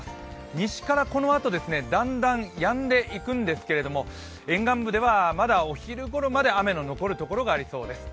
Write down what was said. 西からこのあとだんだんやんでいくんですけども、沿岸部ではまだお昼ごろまで雨の残るところがありそうです。